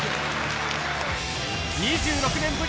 ２６年ぶり